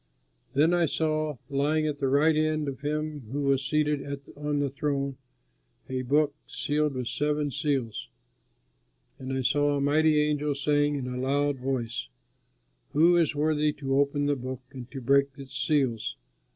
Then I saw, lying at the right hand of him who was seated on the throne, a book sealed with seven seals. And I saw a mighty angel saying in a loud voice: "Who is worthy to open the book and to break its seals?"